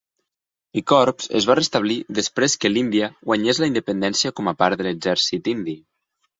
I Corps es va restablir després que l'Índia guanyés la independència com a part de l'exèrcit indi.